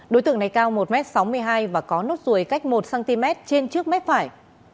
đối tượng này cao một m sáu mươi hai và có nốt ruồi cách một cm trên trước mép phải